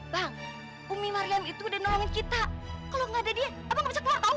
bang umi mariam itu udah nolongin kita kalo gak ada dia abang gak bisa keluar tau